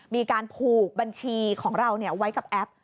มีการผูกบัญชีของเราไว้กับแอป